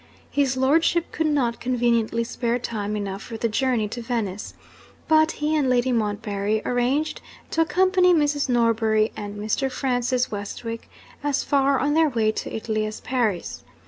His lordship could not conveniently spare time enough for the journey to Venice, but he and Lady Montbarry arranged to accompany Mrs. Norbury and Mr. Francis Westwick as far on their way to Italy as Paris.